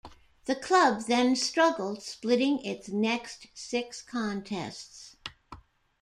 The club then struggled, splitting its next six contests.